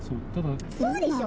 そうでしょ？